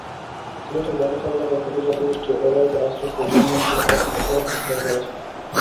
সিলেটের বালুচর এলাকায় ক্ষুদ্র জাতিগোষ্ঠী ওঁরাওদের আশ্রয়স্থল চন্দনটিলা ফের অরক্ষিত হয়ে পড়েছে।